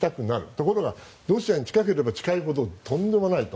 ところがロシアに近ければ近いほどとんでもないと。